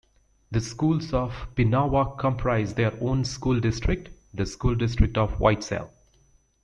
The schools of Pinawa comprise their own school district, the School District of Whiteshell.